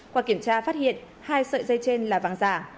qua kiểm tra phát hiện hai sợi dây trên là vàng giả